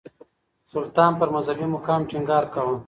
سلطان پر مذهبي مقام ټينګار کاوه.